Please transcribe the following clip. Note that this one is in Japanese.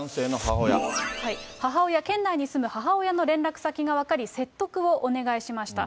母親、県内に住む母親の連絡先が分かり、説得をお願いしました。